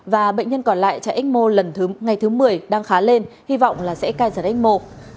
và bệnh nhân còn lại chạy ếch mô lần thứ một mươi đang khá lên hy vọng sẽ cài giật ếch mô